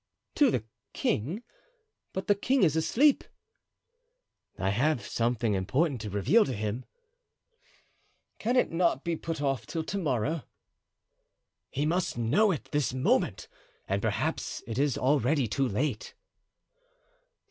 "To the king! but the king is asleep." "I have something important to reveal to him." "Can it not be put off till to morrow?" "He must know it this moment, and perhaps it is already too late."